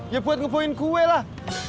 ya buat ngepoin kue lah